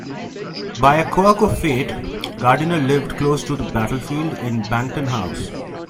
By a quirk of fate Gardiner lived close to the battlefield in Bankton House.